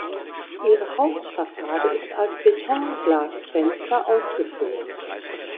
Ihre Hauptfassade ist als Betonglasfenster ausgeführt.